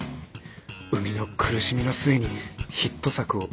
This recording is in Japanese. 産みの苦しみの末にヒット作を生み出す。